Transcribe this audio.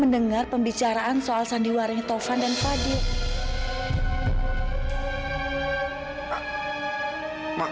mendengar pembicaraan soal sandiwaring tovan dan fadi